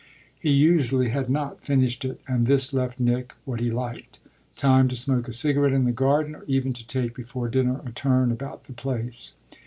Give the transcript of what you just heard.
He usually had not finished it, and this left Nick what he liked time to smoke a cigarette in the garden or even to take before dinner a turn about the place.